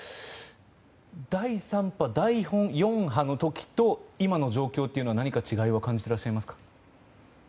第３波、第４波の時と今の状況というのは何か違いは感じていらっしゃいますか？